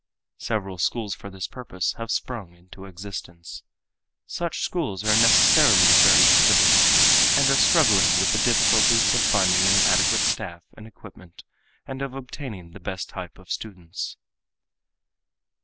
Several schools for this purpose have sprung into existence. Such schools are necessarily very primitive and are struggling with the difficulties of finding an adequate staff and equipment and of obtaining the best type of students.